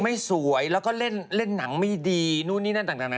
ไม่สวยแล้วก็เล่นหนังไม่ดีนู่นนี่นั่นต่างนะ